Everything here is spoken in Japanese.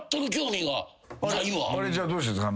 あれじゃあどうしてんすか？